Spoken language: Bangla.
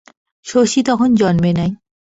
শশী তখন জন্মে নাই।